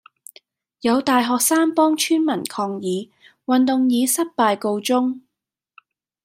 有大學生幫村民抗議。運動以失敗告終